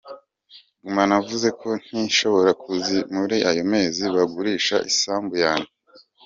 Gusa navuze ko nintashobora kuzishyura muri ayo mezi, bazagurisha isambu yanjye.